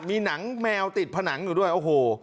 มีหนังแมวติดผนังอยู่ด้วยโอ้โห